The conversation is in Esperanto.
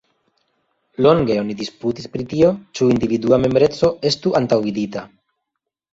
Longe oni disputis pri tio, ĉu individua membreco estu antaŭvidita.